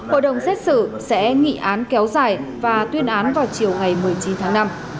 hội đồng xét xử sẽ nghị án kéo dài và tuyên án vào chiều ngày một mươi chín tháng năm